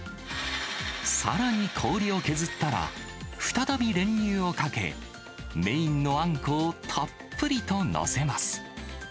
さらに氷を削ったら、再び練乳をかけ、メインのあんこをたっぷりと載せます。